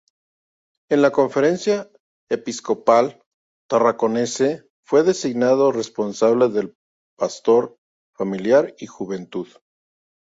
En la Conferencia Episcopal Tarraconense fue designado responsable de Pastoral Familiar y Juventud.